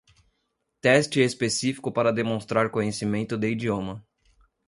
Teste específico para demonstrar conhecimento de idioma.